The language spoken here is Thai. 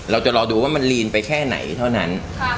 เราจะรอดูว่ามันลีนไปแค่ไหนเท่านั้น